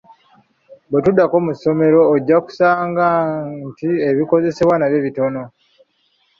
Bwe tuddako mu masomero, ojja kusanga nti ebikozesebwa nabyo bitono.